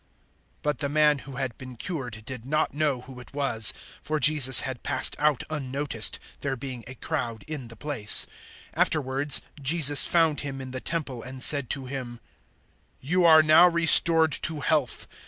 005:013 But the man who had been cured did not know who it was; for Jesus had passed out unnoticed, there being a crowd in the place. 005:014 Afterwards Jesus found him in the Temple and said to him, "You are now restored to health.